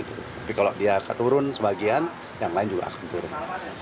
tapi kalau dia keturun sebagian yang lain juga akan turun